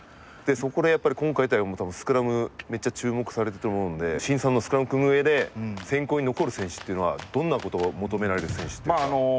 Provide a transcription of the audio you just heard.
そこで今大会もスクラムめっちゃ注目されると思うんで慎さんのスクラム組むうえで選考に残る選手っていうのはどんなことを求められる選手ですか？